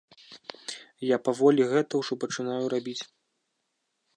Я паволі гэта ўжо пачынаю рабіць.